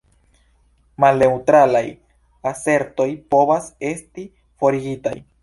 Malneŭtralaj asertoj povas esti forigitaj.